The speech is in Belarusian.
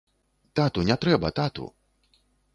Тату, не трэба, тату.